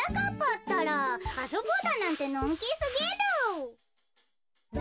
ったらあそぼうだなんてのんきすぎる。